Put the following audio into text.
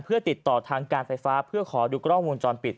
เพื่อติดต่อทางการไฟฟ้าเพื่อขอดูกล้องวงจรปิด